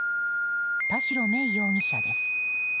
田代芽衣容疑者です。